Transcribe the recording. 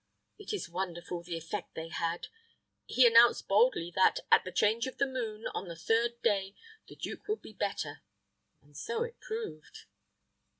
It is wonderful, the effect they had. He announced boldly that, at the change of the moon, on the third day, the duke would be better; and so it proved.